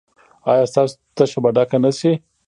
ایا ستاسو تشه به ډکه نه شي؟